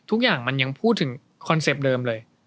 ทุกอย่างมันยังพูดถึงคอนเซ็ปต์เดิมเลย